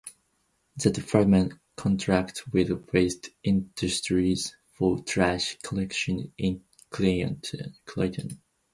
The department contracts with Waste Industries for trash collection in Clayton.